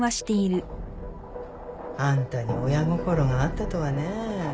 あんたに親心があったとはねえ。